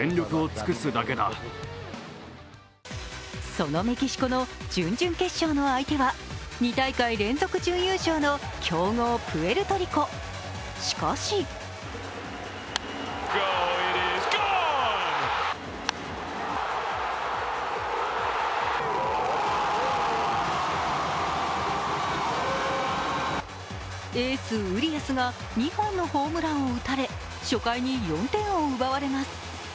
そのメキシコの準々決勝の相手は２大会連続準優勝の強豪・プエルトリコしかしエース、ウリアスが２本のホームランを打たれ、初回に４点を奪われます。